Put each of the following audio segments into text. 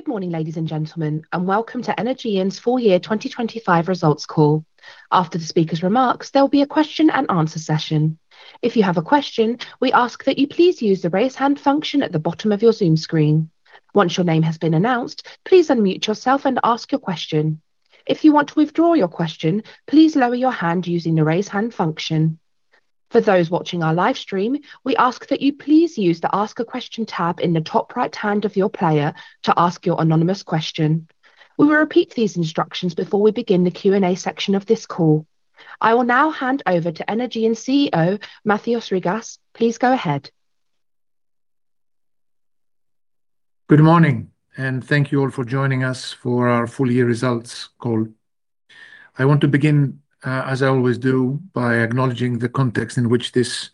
Good morning, ladies and gentlemen, and welcome to Energean's full year 2025 results call. After the speaker's remarks, there'll be a question and answer session. If you have a question, we ask that you please use the Raise Hand function at the bottom of your Zoom screen. Once your name has been announced, please unmute yourself and ask your question. If you want to withdraw your question, please lower your hand using the Raise Hand function. For those watching our live stream, we ask that you please use the Ask a Question tab in the top right hand of your player to ask your anonymous question. We will repeat these instructions before we begin the Q&A section of this call. I will now hand over to Energean CEO, Mathios Rigas. Please go ahead. Good morning, and thank you all for joining us for our full year results call. I want to begin, as I always do, by acknowledging the context in which this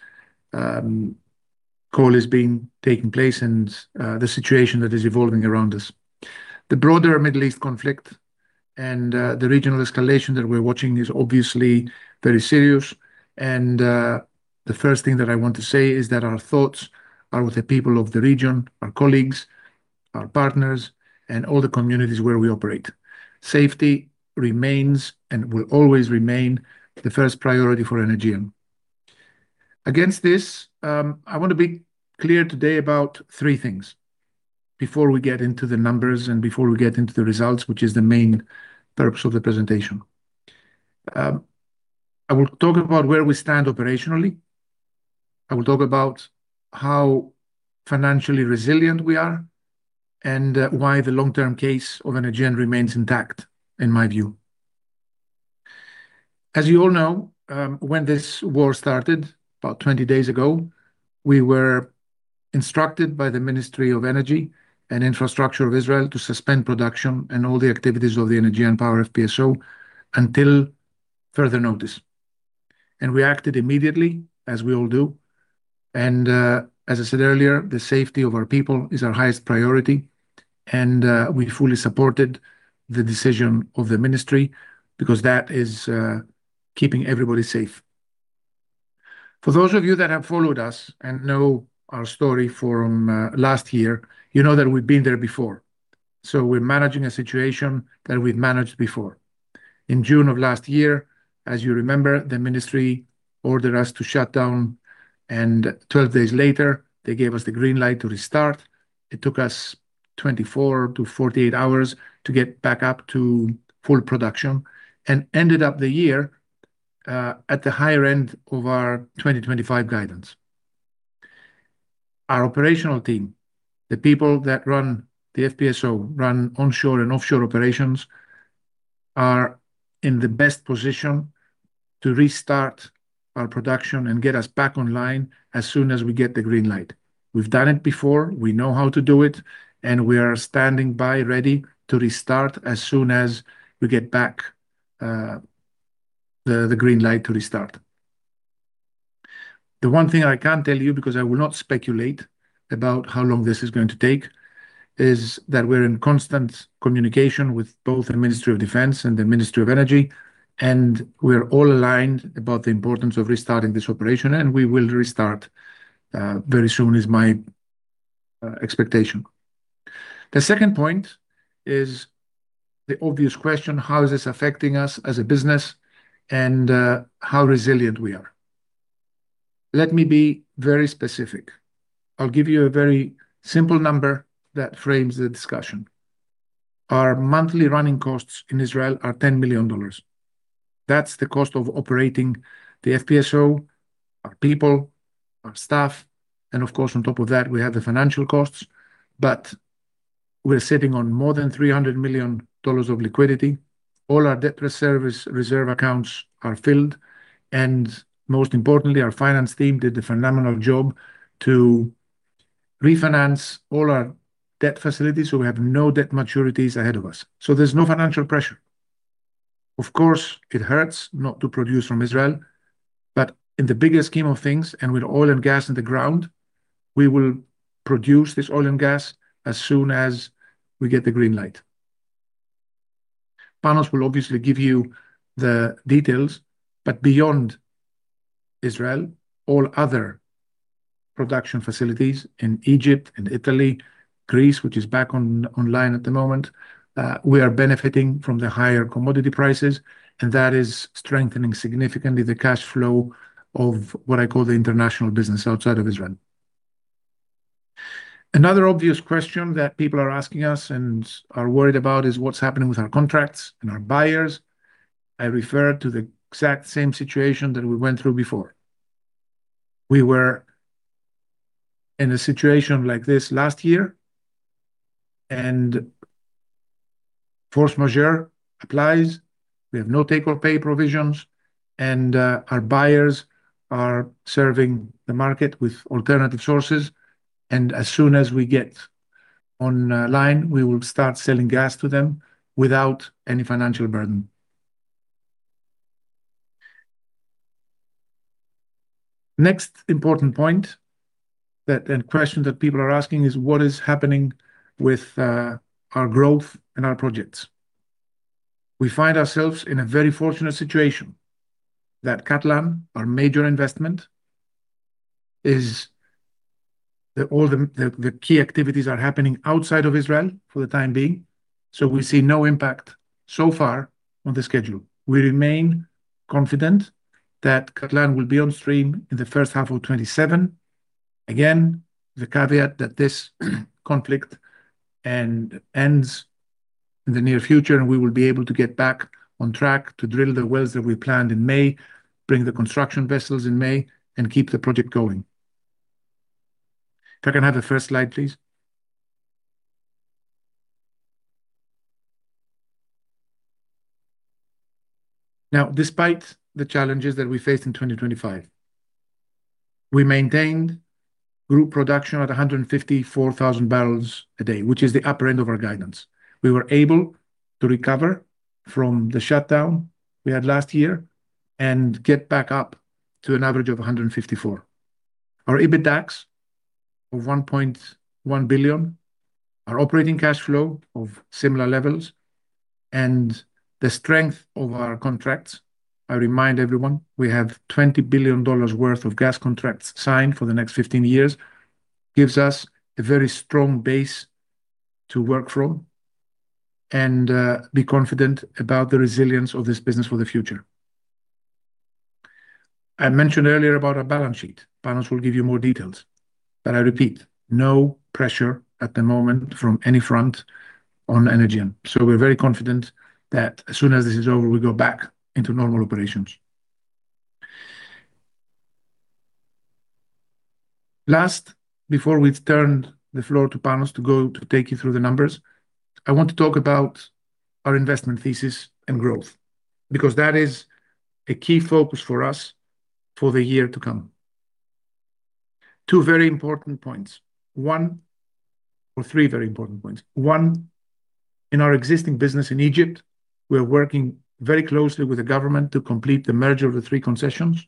call is being taking place and the situation that is evolving around us. The broader Middle East conflict and the regional escalation that we're watching is obviously very serious and the first thing that I want to say is that our thoughts are with the people of the region, our colleagues, our partners, and all the communities where we operate. Safety remains and will always remain the first priority for Energean. Against this, I want to be clear today about three things before we get into the numbers and before we get into the results, which is the main purpose of the presentation. I will talk about where we stand operationally, I will talk about how financially resilient we are, and why the long-term case of Energean remains intact, in my view. As you all know, when this war started about 20 days ago, we were instructed by the Ministry of Energy and Infrastructure of Israel to suspend production and all the activities of the Energean Power FPSO until further notice. We acted immediately, as we all do. As I said earlier, the safety of our people is our highest priority, and we fully supported the decision of the ministry because that is keeping everybody safe. For those of you that have followed us and know our story from last year, you know that we've been there before. We're managing a situation that we've managed before. In June of last year, as you remember, the ministry ordered us to shut down, and 12 days later, they gave us the green light to restart. It took us 24-48 hours to get back up to full production and ended up the year at the higher end of our 2025 guidance. Our operational team, the people that run the FPSO, run onshore and offshore operations, are in the best position to restart our production and get us back online as soon as we get the green light. We've done it before. We know how to do it, and we are standing by, ready to restart as soon as we get back the green light to restart. The one thing I can't tell you, because I will not speculate about how long this is going to take, is that we're in constant communication with both the Ministry of Defense and the Ministry of Energy, and we're all aligned about the importance of restarting this operation, and we will restart very soon is my expectation. The second point is the obvious question, how is this affecting us as a business and how resilient we are? Let me be very specific. I'll give you a very simple number that frames the discussion. Our monthly running costs in Israel are $10 million. That's the cost of operating the FPSO, our people, our staff, and of course, on top of that, we have the financial costs, but we're sitting on more than $300 million of liquidity. All our debt reserve accounts are filled, and most importantly, our finance team did a phenomenal job to refinance all our debt facilities, so we have no debt maturities ahead of us. There's no financial pressure. Of course, it hurts not to produce from Israel, but in the bigger scheme of things, and with oil and gas in the ground, we will produce this oil and gas as soon as we get the green light. Panos will obviously give you the details, but beyond Israel, all other production facilities in Egypt and Italy, Greece, which is back online at the moment, we are benefiting from the higher commodity prices, and that is strengthening significantly the cash flow of what I call the international business outside of Israel. Another obvious question that people are asking us and are worried about is what's happening with our contracts and our buyers. I refer to the exact same situation that we went through before. We were in a situation like this last year and force majeure applies. We have no take-or-pay provisions and our buyers are serving the market with alternative sources. As soon as we get online, we will start selling gas to them without any financial burden. Next important point and question that people are asking is what is happening with our growth and our projects. We find ourselves in a very fortunate situation that Katlan, our major investment is that all the key activities are happening outside of Israel for the time being, so we see no impact so far on the schedule. We remain confident that Katlan will be on stream in the first half of 2027. Again, the caveat that this conflict ends in the near future, and we will be able to get back on track to drill the wells that we planned in May, bring the construction vessels in May and keep the project going. If I can have the first slide, please. Now, despite the challenges that we faced in 2025, we maintained group production at 154,000 barrels a day, which is the upper end of our guidance. We were able to recover from the shutdown we had last year and get back up to an average of 154,000. Our EBITDAX of $1.1 billion, our operating cash flow of similar levels and the strength of our contracts. I remind everyone, we have $20 billion worth of gas contracts signed for the next 15 years. Gives us a very strong base to work from and, be confident about the resilience of this business for the future. I mentioned earlier about our balance sheet. Panos will give you more details. I repeat, no pressure at the moment from any front on Energean. We're very confident that as soon as this is over, we go back into normal operations. Last, before we turn the floor to Panos to go to take you through the numbers, I want to talk about our investment thesis and growth, because that is a key focus for us for the year to come. Three very important points. One, in our existing business in Egypt, we are working very closely with the government to complete the merger of the three concessions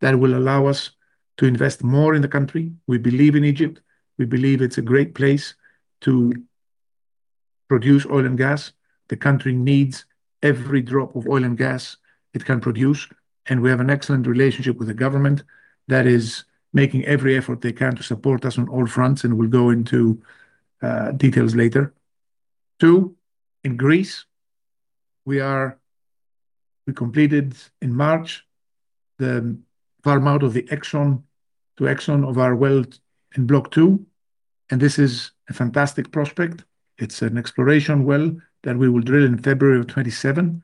that will allow us to invest more in the country. We believe in Egypt, we believe it's a great place to produce oil and gas. The country needs every drop of oil and gas it can produce, and we have an excellent relationship with the government that is making every effort they can to support us on all fronts, and we'll go into details later. Two, in Greece, we completed in March the farm out to Exxon of our wells in Block 2, and this is a fantastic prospect. It's an exploration well that we will drill in February of 2027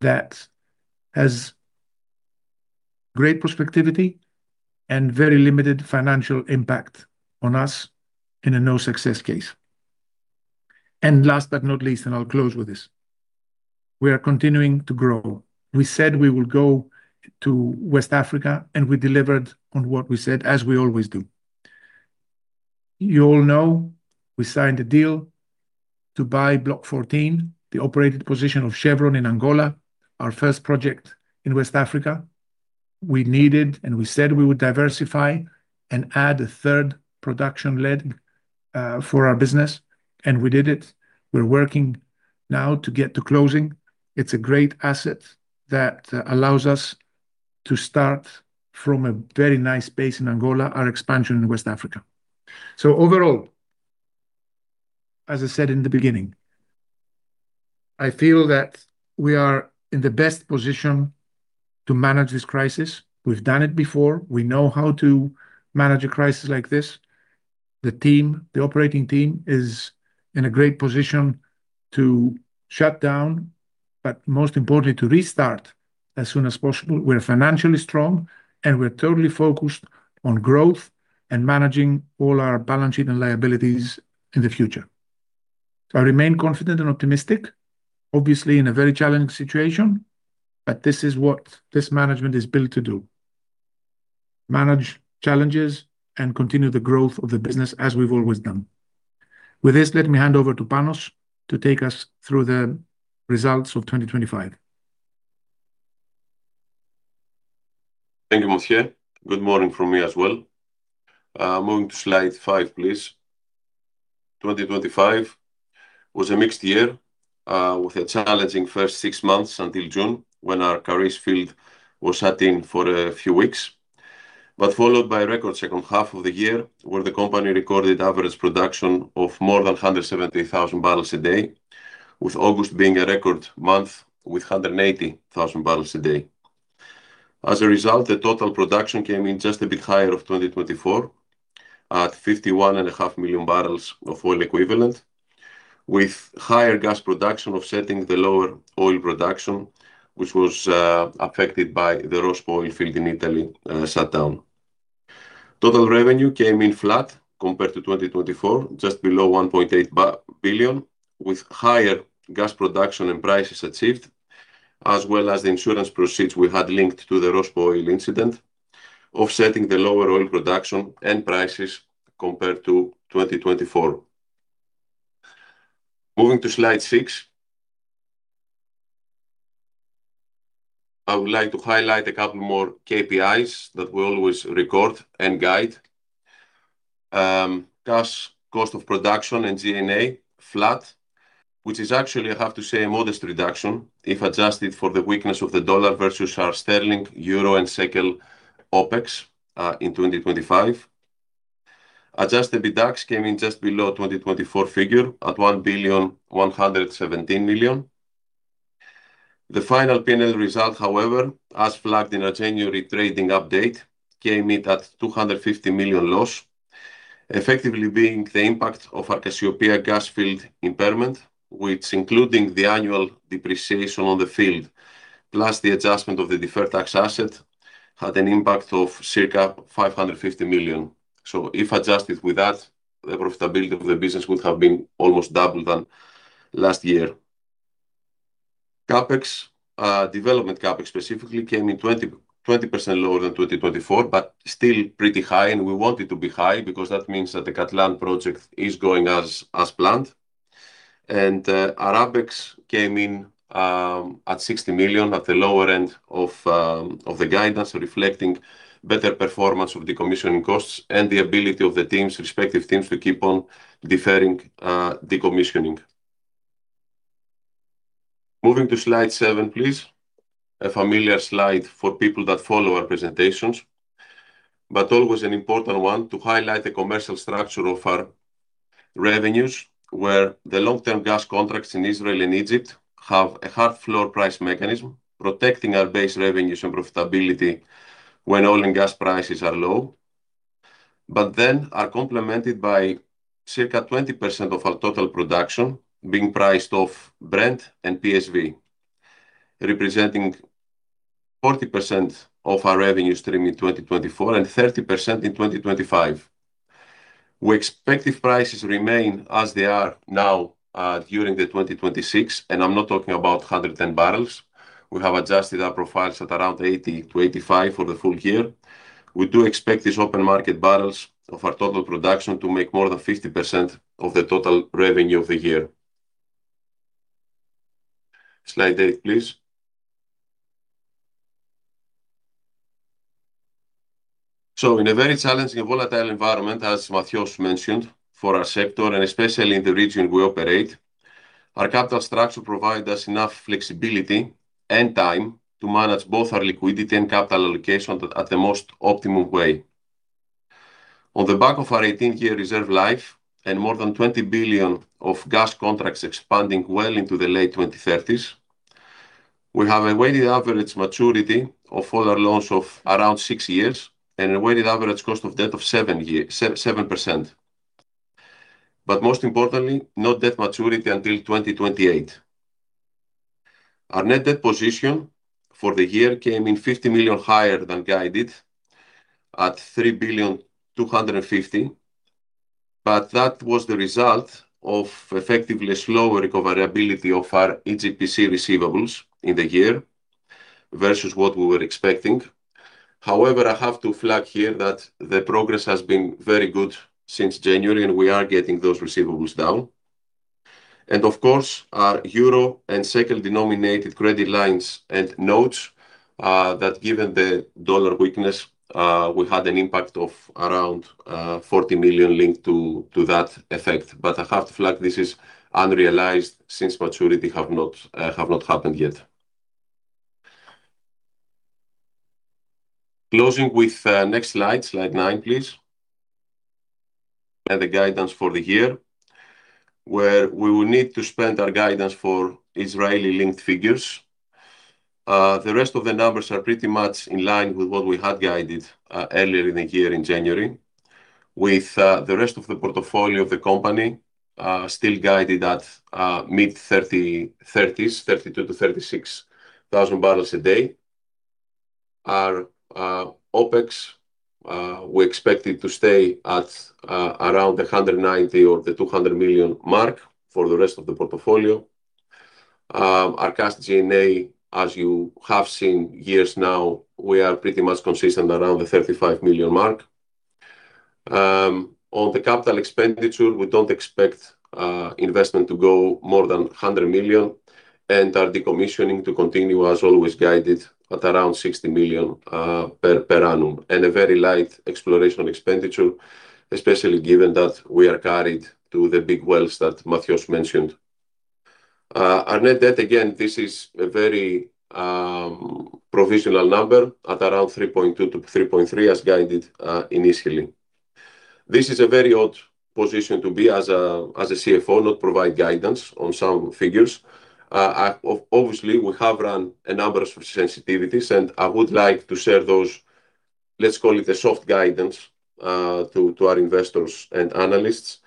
that has great prospectivity and very limited financial impact on us in a no success case. Last but not least, and I'll close with this, we are continuing to grow. We said we will go to West Africa, and we delivered on what we said, as we always do. You all know we signed a deal to buy Block 14, the operated position of Chevron in Angola, our first project in West Africa. We needed, and we said we would diversify and add a third production leg, for our business, and we did it. We're working now to get to closing. It's a great asset that allows us to start from a very nice base in Angola, our expansion in West Africa. Overall, as I said in the beginning, I feel that we are in the best position to manage this crisis. We've done it before. We know how to manage a crisis like this. The team, the operating team is in a great position to shut down, but most importantly, to restart as soon as possible. We're financially strong, and we're totally focused on growth and managing all our balance sheet and liabilities in the future. I remain confident and optimistic, obviously in a very challenging situation, but this is what this management is built to do, manage challenges and continue the growth of the business as we've always done. With this, let me hand over to Panos to take us through the results of 2025. Thank you, Mathios. Good morning from me as well. Moving to slide five, please. 2025 was a mixed year, with a challenging first six months until June when our Karish field was shut in for a few weeks. Followed by a record second half of the year where the company recorded average production of more than 170,000 barrels a day, with August being a record month with 180,000 barrels a day. As a result, the total production came in just a bit higher than 2024 at 51.5 million barrels of oil equivalent, with higher gas production offsetting the lower oil production, which was affected by the Rospo field in Italy, shutdown. Total revenue came in flat compared to 2024, just below $1.8 billion, with higher gas production and prices achieved, as well as the insurance proceeds we had linked to the Rospo oil incident, offsetting the lower oil production and prices compared to 2024. Moving to slide 6. I would like to highlight a couple more KPIs that we always record and guide. Gas cost of production and G&A flat, which is actually, I have to say, a modest reduction if adjusted for the weakness of the dollar versus our sterling, euro, and shekel OpEx, in 2025. Adjusted EBITDAX came in just below 2024 figure at $1.117 billion. The final P&L result, however, as flagged in our January trading update, came in at $250 million loss, effectively being the impact of our Cassiopea gas field impairment, which including the annual depreciation on the field, plus the adjustment of the deferred tax asset, had an impact of circa $550 million. If adjusted with that, the profitability of the business would have been almost double than last year. CapEx, development CapEx specifically came in 20% lower than 2024, but still pretty high. We want it to be high because that means that the Katlan project is going as planned. Our OpEx came in at $60 million at the lower end of the guidance, reflecting better performance of decommissioning costs and the ability of the respective teams to keep on deferring decommissioning. Moving to slide 7, please. A familiar slide for people that follow our presentations, but always an important one to highlight the commercial structure of our revenues, where the long-term gas contracts in Israel and Egypt have a hard floor price mechanism, protecting our base revenues and profitability when oil and gas prices are low, but then are complemented by circa 20% of our total production being priced off Brent and PSV, representing 40% of our revenue stream in 2024 and 30% in 2025. We expect if prices remain as they are now, during the 2026, and I'm not talking about 110 barrels, we have adjusted our profiles at around 80-85 for the full year. We do expect these open market barrels of our total production to make more than 50% of the total revenue of the year. Slide 8, please. In a very challenging and volatile environment, as Mathios mentioned, for our sector, and especially in the region we operate, our capital structure provide us enough flexibility and time to manage both our liquidity and capital allocation at the most optimum way. On the back of our 18-year reserve life and more than 20 billion of gas contracts expanding well into the late 2030s, we have a weighted average maturity of all our loans of around 6 years and a weighted average cost of debt of 7%. Most importantly, no debt maturity until 2028. Our net debt position for the year came in $50 million higher than guided at $3.25 billion, but that was the result of effectively slower recoverability of our EGPC receivables in the year versus what we were expecting. However, I have to flag here that the progress has been very good since January, and we are getting those receivables down. Of course, our euro and shekel-denominated credit lines and notes that, given the dollar weakness, we had an impact of around $40 million linked to that effect. I have to flag that this is unrealized since maturity have not happened yet. Closing with next slide 9, please. The guidance for the year, where we will need to update our guidance for Israeli-linked figures. The rest of the numbers are pretty much in line with what we had guided earlier in the year in January. With the rest of the portfolio of the company still guided at mid-30s, 32,000-36,000 barrels a day. Our OpEx, we expect it to stay at around $190 or $200 million for the rest of the portfolio. Our cash G&A, as you have seen years now, we are pretty much consistent around the $35 million mark. On the capital expenditure, we don't expect investment to go more than $100 million and our decommissioning to continue as always guided at around $60 million per annum. A very light exploration expenditure, especially given that we are carried to the big wells that Mathios mentioned. Our net debt, again, this is a very provisional number at around $3.2-$3.3 billion as guided initially. This is a very odd position to be as a CFO, not provide guidance on some figures. Obviously, we have run a number of sensitivities, and I would like to share those, let's call it the soft guidance, to our investors and analysts.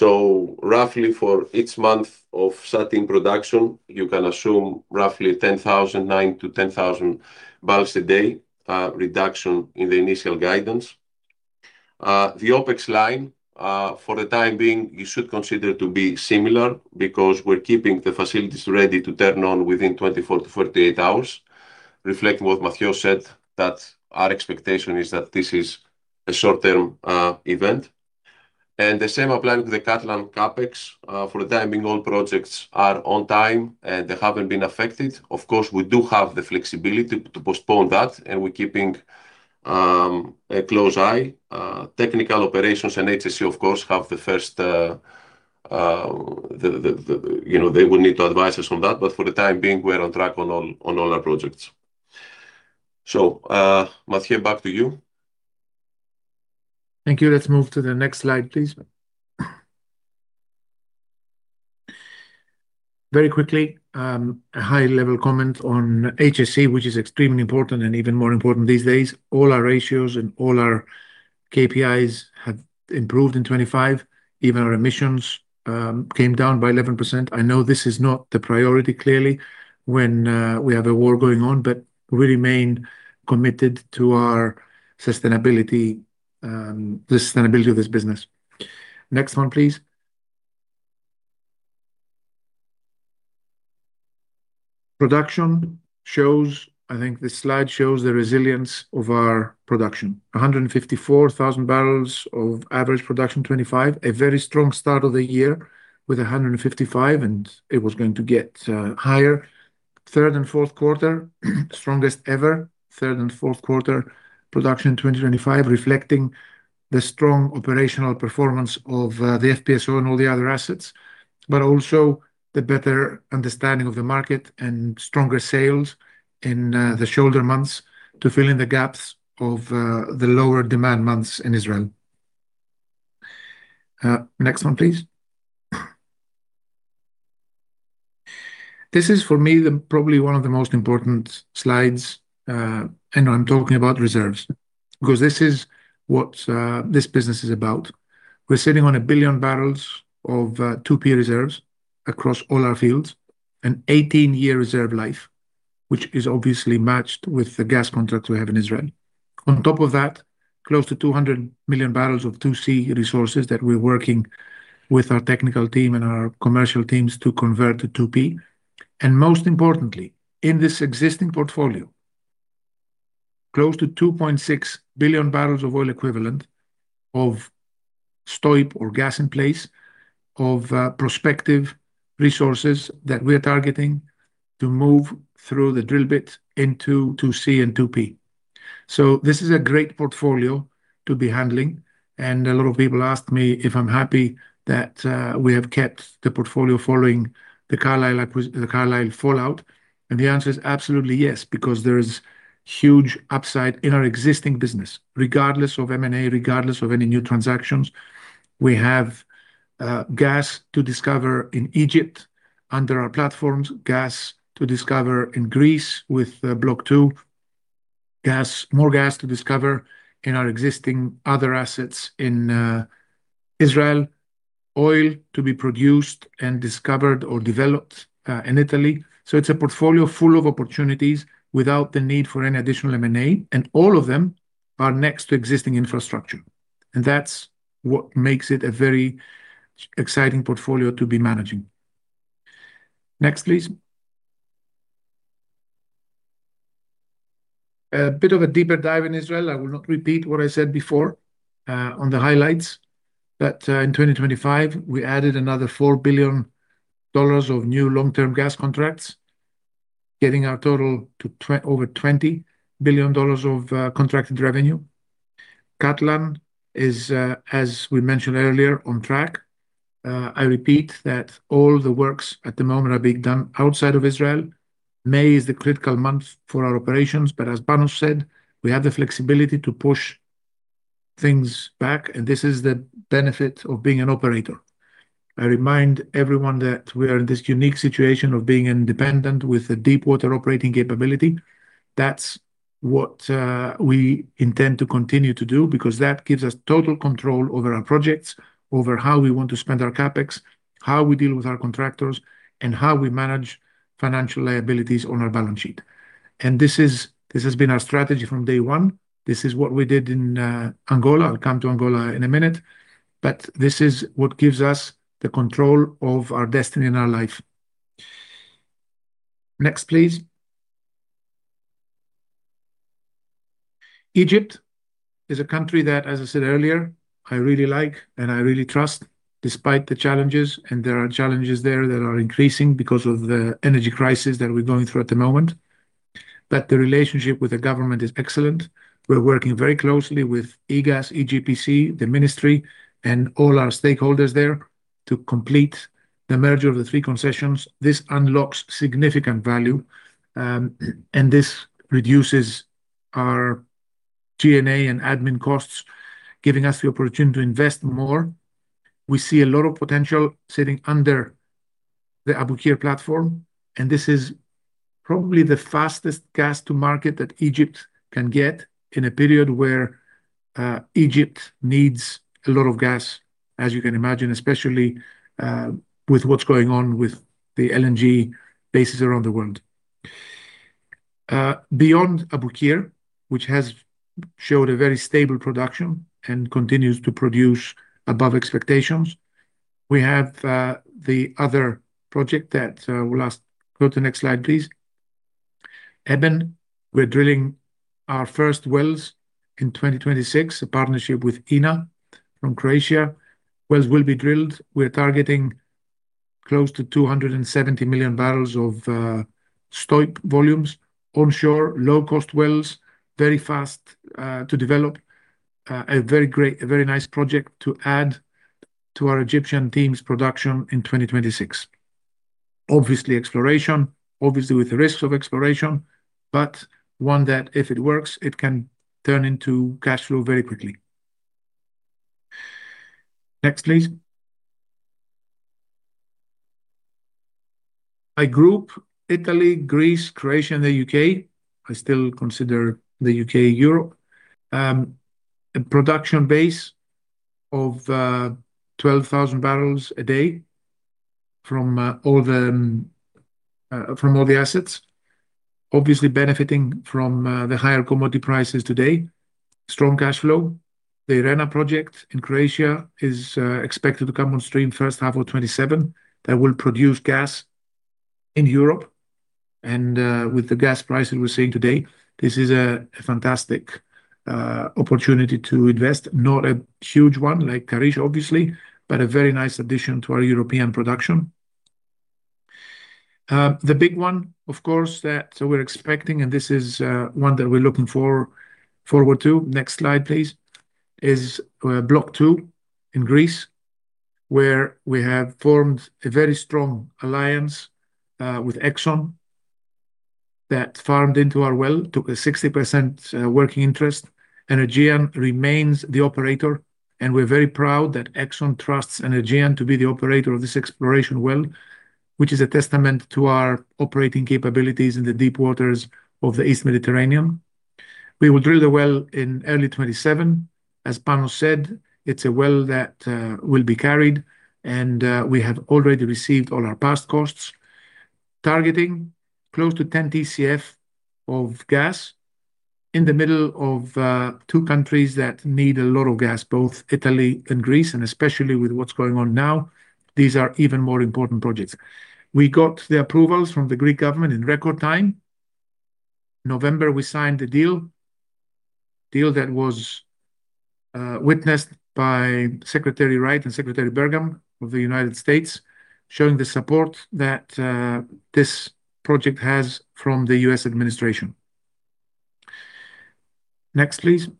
Roughly for each month of shutting production, you can assume roughly 10,000, 9,000-10,000 barrels a day, reduction in the initial guidance. The OpEx line, for the time being, you should consider to be similar because we're keeping the facilities ready to turn on within 24-48 hours, reflecting what Mathios said that our expectation is that this is a short-term, event. The same applying to the Katlan CapEx. For the time being, all projects are on time and they haven't been affected. Of course, we do have the flexibility to postpone that, and we're keeping a close eye. Technical operations and HSE, of course, have the first. You know, they will need to advise us on that. For the time being, we're on track on all our projects. Mathios, back to you. Thank you. Let's move to the next slide, please. Very quickly, a high-level comment on HSE, which is extremely important, and even more important these days. All our ratios and all our KPIs have improved in 2025. Even our emissions came down by 11%. I know this is not the priority clearly when we have a war going on, but we remain committed to our sustainability, the sustainability of this business. Next one, please. Production shows. I think this slide shows the resilience of our production. 154,000 barrels of average production 2025. A very strong start of the year with 155, and it was going to get higher. Third and fourth quarter, strongest ever third and fourth quarter production in 2025, reflecting the strong operational performance of the FPSO and all the other assets. also the better understanding of the market and stronger sales in the shoulder months to fill in the gaps of the lower demand months in Israel. Next one, please. This is, for me, probably one of the most important slides, and I'm talking about reserves, because this is what this business is about. We're sitting on 1 billion barrels of 2P reserves across all our fields. An 18-year reserve life, which is obviously matched with the gas contracts we have in Israel. On top of that, close to 200 million barrels of 2C resources that we're working with our technical team and our commercial teams to convert to 2P. Most importantly, in this existing portfolio, close to 2.6 billion barrels of oil equivalent of STOIIP or gas in place of prospective resources that we are targeting to move through the drill bit into 2C and 2P. This is a great portfolio to be handling, and a lot of people ask me if I'm happy that we have kept the portfolio following the Carlyle fallout. The answer is absolutely yes, because there is huge upside in our existing business, regardless of M&A, regardless of any new transactions. We have gas to discover in Egypt under our platforms, gas to discover in Greece with Block 2. Gas, more gas to discover in our existing other assets in Israel. Oil to be produced and discovered or developed in Italy. It's a portfolio full of opportunities without the need for any additional M&A, and all of them are next to existing infrastructure. That's what makes it a very exciting portfolio to be managing. Next, please. A bit of a deeper dive in Israel. I will not repeat what I said before on the highlights. In 2025, we added another $4 billion of new long-term gas contracts, getting our total to over $20 billion of contracted revenue. Katlan is, as we mentioned earlier, on track. I repeat that all the works at the moment are being done outside of Israel. May is the critical month for our operations, but as Panos said, we have the flexibility to push things back, and this is the benefit of being an operator. I remind everyone that we are in this unique situation of being independent with a deep-water operating capability. That's what we intend to continue to do because that gives us total control over our projects, over how we want to spend our CapEx, how we deal with our contractors, and how we manage financial liabilities on our balance sheet. This has been our strategy from day one. This is what we did in Angola. I'll come to Angola in a minute. This is what gives us the control of our destiny and our life. Next, please. Egypt is a country that, as I said earlier, I really like and I really trust, despite the challenges, and there are challenges there that are increasing because of the energy crisis that we're going through at the moment. The relationship with the government is excellent. We're working very closely with EGAS, EGPC, the ministry, and all our stakeholders there to complete the merger of the three concessions. This unlocks significant value, and this reduces our G&A and admin costs, giving us the opportunity to invest more. We see a lot of potential sitting under the Abu Qir platform, and this is probably the fastest gas to market that Egypt can get in a period where Egypt needs a lot of gas, as you can imagine, especially with what's going on with the LNG bases around the world. Beyond Abu Qir, which has showed a very stable production and continues to produce above expectations, we have the other project. Go to the next slide, please. Ebn, we're drilling our first wells in 2026, a partnership with INA from Croatia. Wells will be drilled. We're targeting close to 270 million barrels of STOIIP volumes onshore, low-cost wells, very fast to develop. A very nice project to add to our Egyptian team's production in 2026. Obviously exploration, obviously with the risks of exploration, but one that if it works, it can turn into cash flow very quickly. Next, please. A group, Italy, Greece, Croatia, and the U.K. I still consider the U.K. Europe. A production base of 12,000 barrels a day from all the assets, obviously benefiting from the higher commodity prices today. Strong cash flow. The Irena project in Croatia is expected to come on stream first half of 2027. That will produce gas in Europe and with the gas prices we're seeing today, this is a fantastic opportunity to invest. Not a huge one like Karish obviously, but a very nice addition to our European production. The big one, of course, that we're expecting, and this is one that we're looking forward to, next slide please, is Block 2 in Greece, where we have formed a very strong alliance with Exxon that farmed into our well, took a 60% working interest. Energean remains the operator, and we're very proud that Exxon trusts Energean to be the operator of this exploration well, which is a testament to our operating capabilities in the deep waters of the East Mediterranean. We will drill the well in early 2027. As Panos said, it's a well that will be carried and we have already received all our past costs. Targeting close to 10 TCF of gas in the middle of two countries that need a lot of gas, both Italy and Greece, and especially with what's going on now, these are even more important projects. We got the approvals from the Greek government in record time. November, we signed the deal. Deal that was witnessed by Secretary Wright and Secretary Burgum of the United States, showing the support that this project has from the US administration. Next, please.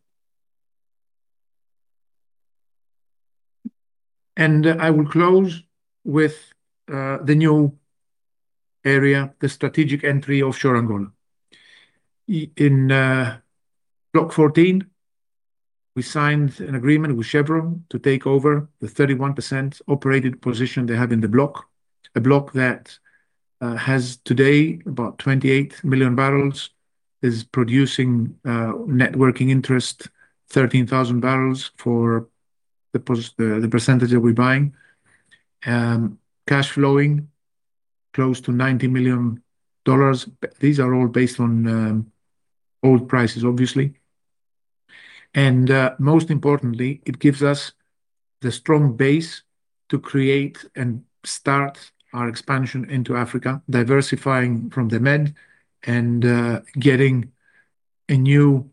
I will close with the new area, the strategic entry of offshore Angola. In Block 14, we signed an agreement with Chevron to take over the 31% operated position they have in the block. A block that has today about 28 million barrels, is producing net working interest 13,000 barrels for the percentage that we're buying. Cash flowing close to $90 million. These are all based on old prices, obviously. Most importantly, it gives us the strong base to create and start our expansion into Africa, diversifying from the Med and getting a new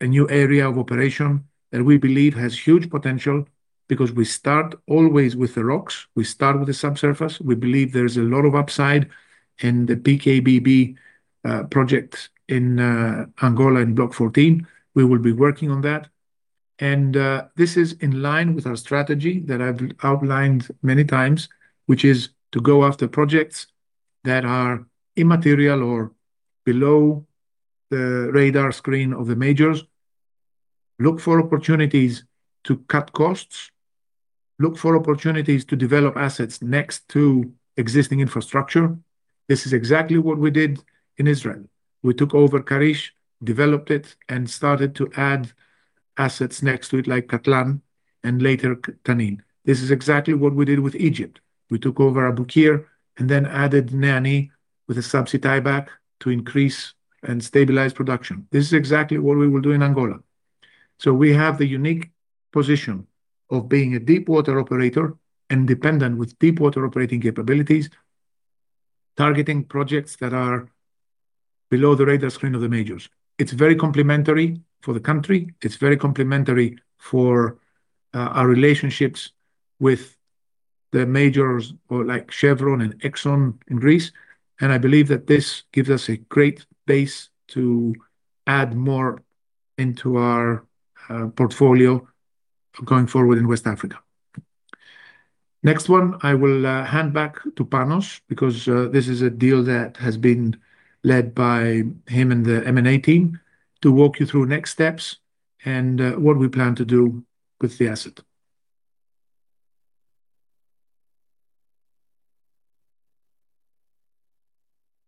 area of operation that we believe has huge potential because we start always with the rocks. We start with the subsurface. We believe there's a lot of upside in the PKBP projects in Angola in Block 14. We will be working on that. This is in line with our strategy that I've outlined many times, which is to go after projects that are immaterial or below the radar screen of the majors. Look for opportunities to cut costs. Look for opportunities to develop assets next to existing infrastructure. This is exactly what we did in Israel. We took over Karish, developed it and started to add assets next to it like Katlan and later Tanin. This is exactly what we did with Egypt. We took over Abu Qir and then added NEA/NI with a subsea tieback to increase and stabilize production. This is exactly what we will do in Angola. We have the unique position of being a deep water operator, independent with deep water operating capabilities, targeting projects that are below the radar screen of the majors. It's very complementary for the country. It's very complementary for our relationships with the majors or like Chevron and Exxon in Greece. I believe that this gives us a great base to add more into our portfolio going forward in West Africa. Next one, I will hand back to Panos because this is a deal that has been led by him and the M&A team to walk you through next steps and what we plan to do with the asset.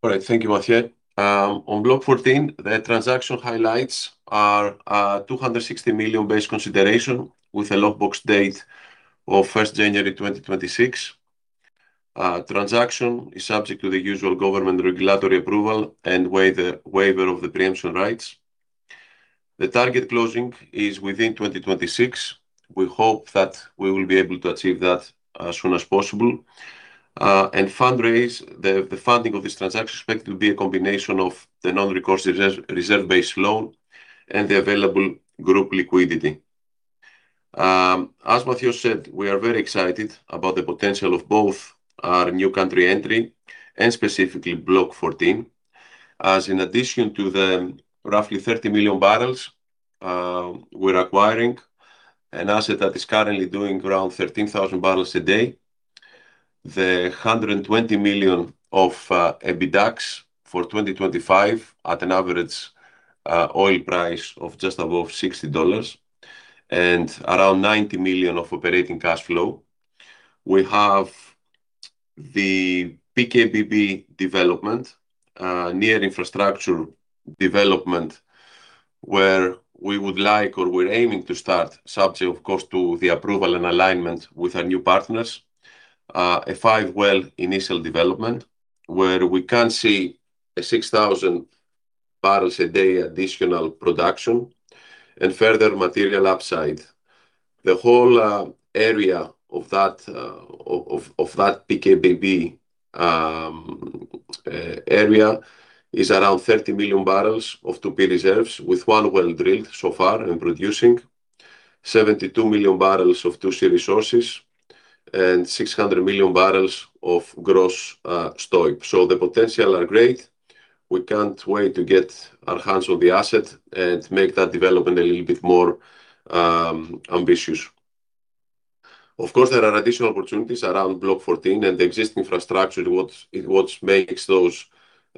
All right. Thank you, Mathios. On Block 14, the transaction highlights are $260 million base consideration with a lock box date of 1 January 2026. Transaction is subject to the usual government regulatory approval and waiver of the preemption rights. The target closing is within 2026. We hope that we will be able to achieve that as soon as possible. The funding of this transaction is expected to be a combination of the non-recourse reserve-based loan and the available group liquidity. As Mathios said, we are very excited about the potential of both our new country entry and specifically Block 14. In addition to the roughly 30 million barrels we're acquiring, an asset that is currently doing around 13,000 barrels a day. The 120 million of EBITDAX for 2025 at an average oil price of just above $60 and around 90 million of operating cash flow. We have the PKBP development near infrastructure development where we would like or we're aiming to start subject, of course, to the approval and alignment with our new partners. A 5-well initial development where we can see a 6,000 barrels a day additional production and further material upside. The whole area of that PKBP area is around 30 million barrels of 2P reserves, with one well drilled so far and producing 72 million barrels of 2C resources and 600 million barrels of gross STOIIP. The potential are great. We can't wait to get our hands on the asset and make that development a little bit more ambitious. Of course, there are additional opportunities around Block 14 and the existing infrastructure what makes those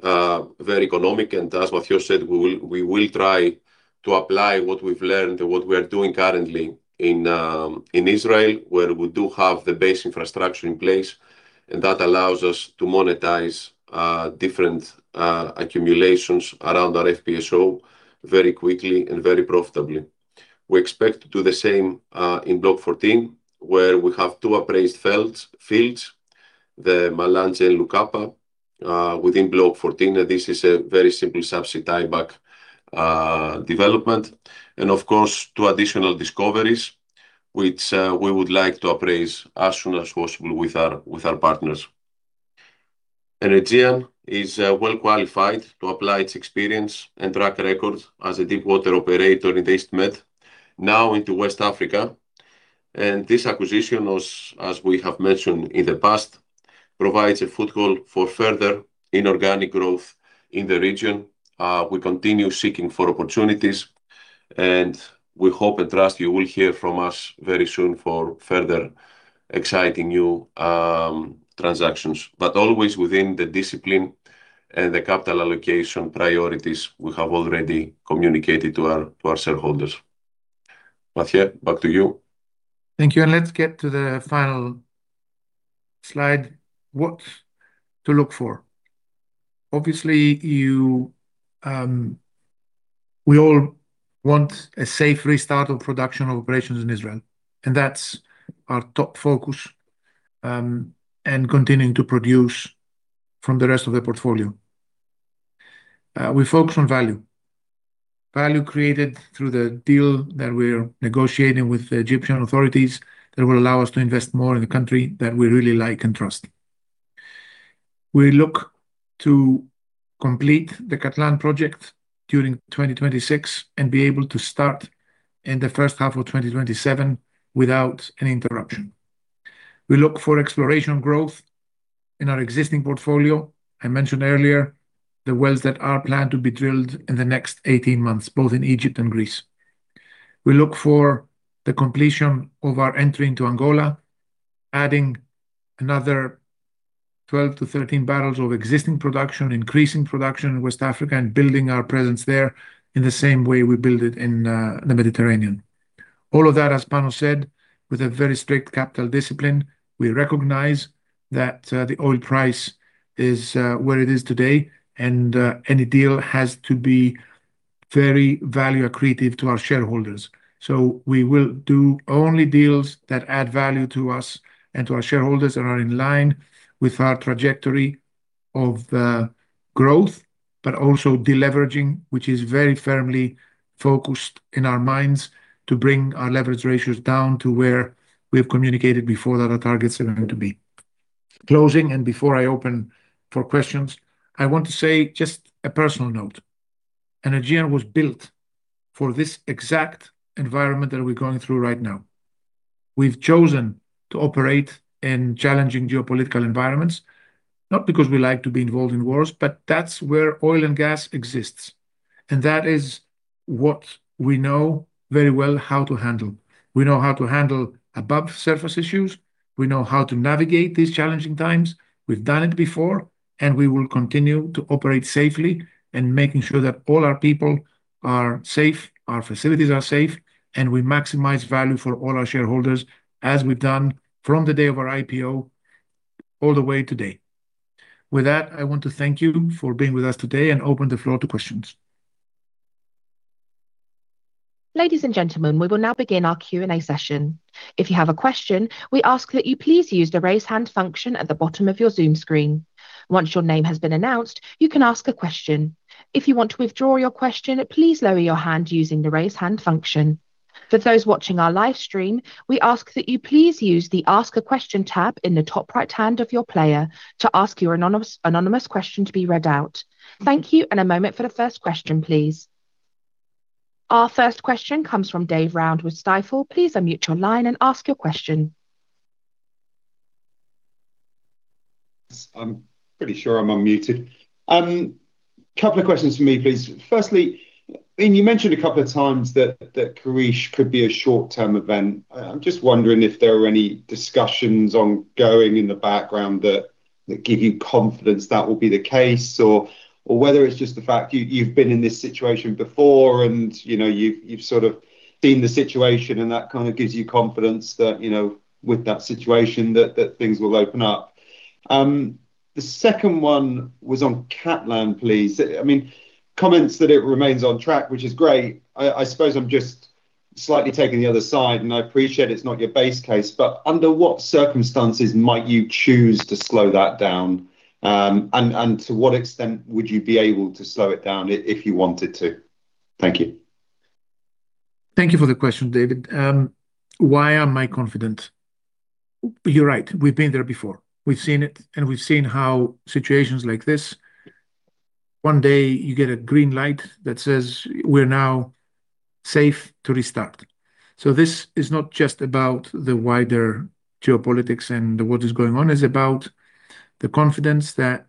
very economic. As Mathios said, we will try to apply what we've learned and what we are doing currently in Israel, where we do have the base infrastructure in place, and that allows us to monetize different accumulations around our FPSO very quickly and very profitably. We expect to do the same in Block 14, where we have two appraised fields, the Malanze and Lukapa, within Block 14. This is a very simple subsea tieback development. Of course, two additional discoveries which we would like to appraise as soon as possible with our partners. Energean is well qualified to apply its experience and track record as a deepwater operator in the East Med now into West Africa. This acquisition, as we have mentioned in the past, provides a foothold for further inorganic growth in the region. We continue seeking for opportunities, and we hope and trust you will hear from us very soon for further exciting new transactions. Always within the discipline and the capital allocation priorities we have already communicated to our shareholders. Mathios, back to you. Thank you. Let's get to the final slide. What to look for. Obviously, we all want a safe restart of production operations in Israel, and that's our top focus, and continuing to produce from the rest of the portfolio. We focus on value. Value created through the deal that we're negotiating with the Egyptian authorities that will allow us to invest more in the country that we really like and trust. We look to complete the Katlan project during 2026 and be able to start in the first half of 2027 without any interruption. We look for exploration growth in our existing portfolio. I mentioned earlier the wells that are planned to be drilled in the next 18 months, both in Egypt and Greece. We look for the completion of our entry into Angola, adding another 12-13 barrels of existing production, increasing production in West Africa and building our presence there in the same way we build it in the Mediterranean. All of that, as Panos said, with a very strict capital discipline. We recognize that, the oil price is, where it is today and, any deal has to be very value accretive to our shareholders. We will do only deals that add value to us and to our shareholders and are in line with our trajectory of, growth, but also deleveraging, which is very firmly focused in our minds to bring our leverage ratios down to where we have communicated before that our targets are going to be. Closing, before I open for questions, I want to say just a personal note. Energean was built for this exact environment that we're going through right now. We've chosen to operate in challenging geopolitical environments, not because we like to be involved in wars, but that's where oil and gas exists and that is what we know very well how to handle. We know how to handle above-surface issues. We know how to navigate these challenging times. We've done it before, and we will continue to operate safely and making sure that all our people are safe, our facilities are safe, and we maximize value for all our shareholders, as we've done from the day of our IPO all the way to today. With that, I want to thank you for being with us today and open the floor to questions. Ladies and gentlemen, we will now begin our Q&A session. If you have a question, we ask that you please use the Raise Hand function at the bottom of your Zoom screen. Once your name has been announced, you can ask a question. If you want to withdraw your question, please lower your hand using the Raise Hand function. For those watching our live stream, we ask that you please use the Ask a Question tab in the top right-hand of your player to ask your anonymous question to be read out. Thank you and a moment for the first question, please. Our first question comes from Dave Round with Stifel. Please unmute your line and ask your question. I'm pretty sure I'm unmuted. Couple of questions from me, please. Firstly, you mentioned a couple of times that that Karish could be a short-term event. I'm just wondering if there are any discussions ongoing in the background that that give you confidence that will be the case or or whether it's just the fact you've been in this situation before and, you know, you've sort of been the situation, and that kind of gives you confidence that, you know, with that situation that things will open up. The second one was on Katlan, please. I mean, comments that it remains on track, which is great. I suppose I'm just slightly taking the other side, and I appreciate it's not your base case, but under what circumstances might you choose to slow that down? To what extent would you be able to slow it down if you wanted to? Thank you. Thank you for the question, David. Why am I confident? You're right. We've been there before. We've seen it, and we've seen how situations like this, one day you get a green light that says, "We're now safe to restart." This is not just about the wider geopolitics and what is going on. It's about the confidence that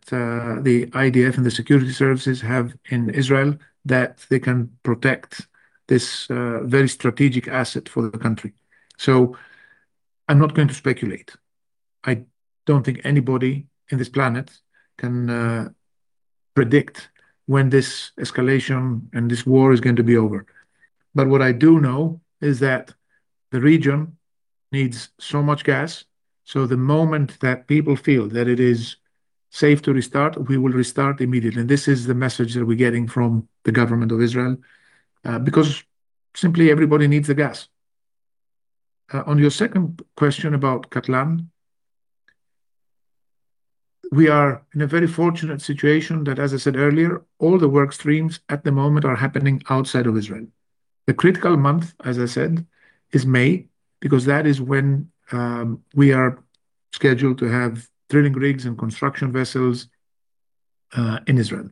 the IDF and the security services have in Israel that they can protect this very strategic asset for the country. I'm not going to speculate. I don't think anybody in this planet can predict when this escalation and this war is going to be over. What I do know is that the region needs so much gas. The moment that people feel that it is safe to restart, we will restart immediately. This is the message that we're getting from the government of Israel, because simply everybody needs the gas. On your second question about Katlan, we are in a very fortunate situation that, as I said earlier, all the work streams at the moment are happening outside of Israel. The critical month, as I said, is May, because that is when we are scheduled to have drilling rigs and construction vessels in Israel.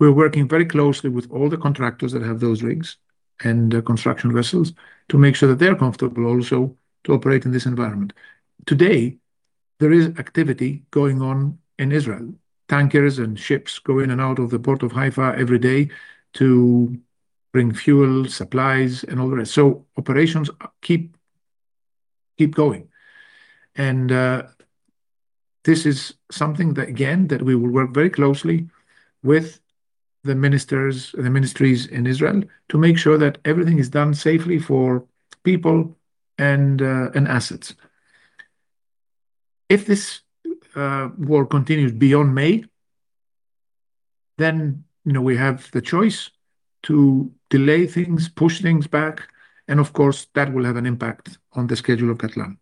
We're working very closely with all the contractors that have those rigs and the construction vessels to make sure that they're comfortable also to operate in this environment. Today, there is activity going on in Israel. Tankers and ships go in and out of the port of Haifa every day to bring fuel, supplies and all the rest. Operations keep going. This is something that again, that we will work very closely with the ministers, the ministries in Israel to make sure that everything is done safely for people and assets. If this war continues beyond May, then, you know, we have the choice to delay things, push things back, and of course, that will have an impact on the schedule of Katlan.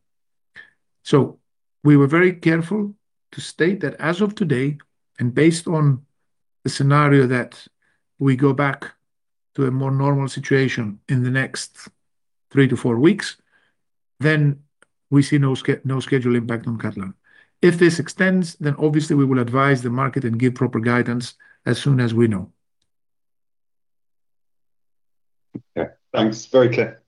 We were very careful to state that as of today and based on the scenario that we go back to a more normal situation in the next 3-4 weeks, then we see no schedule impact on Katlan. If this extends, then obviously we will advise the market and give proper guidance as soon as we know. Okay, thanks. Very clear.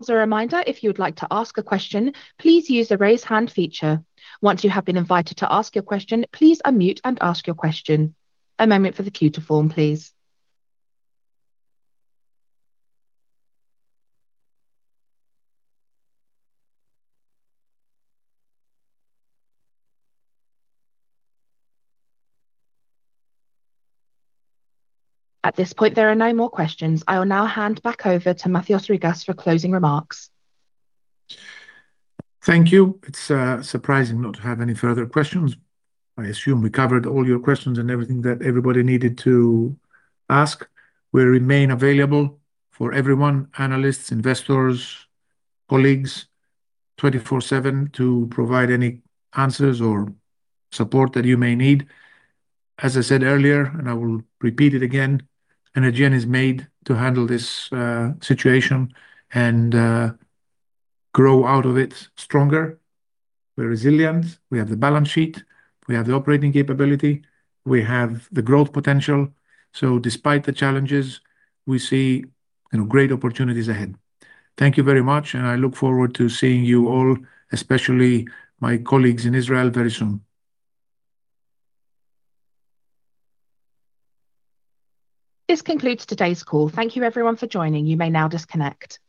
As a reminder, if you would like to ask a question, please use the Raise Hand feature. Once you have been invited to ask your question, please unmute and ask your question. A moment for the queue to form, please. At this point, there are no more questions. I will now hand back over to Mathios Rigas for closing remarks. Thank you. It's surprising not to have any further questions. I assume we covered all your questions and everything that everybody needed to ask. We remain available for everyone, analysts, investors, colleagues, 24/7 to provide any answers or support that you may need. As I said earlier, and I will repeat it again, Energean is made to handle this situation and grow out of it stronger. We're resilient. We have the balance sheet. We have the operating capability. We have the growth potential. Despite the challenges, we see, you know, great opportunities ahead. Thank you very much, and I look forward to seeing you all, especially my colleagues in Israel, very soon. This concludes today's call. Thank you everyone for joining. You may now disconnect.